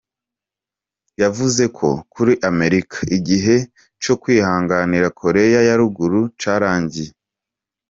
Yavuze ko kuri Amerika, 'igihe co kwihanganira Koreya ya ruguru carangiye'.